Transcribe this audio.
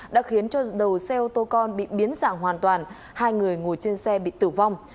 đã khiến cho đầu xe ô tô con bị biến dạng hoàn toàn hai người ngồi trên xe bị tử vong